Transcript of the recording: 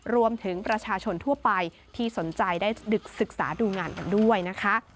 รวมถึงประชาชนทั่วไปที่สนใจได้ดึกศึกษาดูงานกันด้วยนะคะ